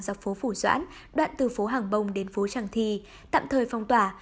dọc phố phủ doãn đoạn từ phố hàng bông đến phố tràng thì tạm thời phong tòa